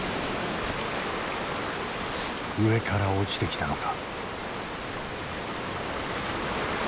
上から落ちてきたのか。